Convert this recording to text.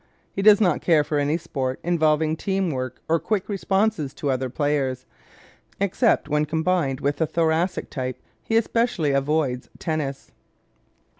He does not care for any sport involving team work or quick responses to other players. Except when combined with the Thoracic type he especially avoids tennis.